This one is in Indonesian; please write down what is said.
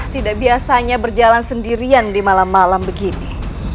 tidak biasanya berjalan sendirian di malam malam begini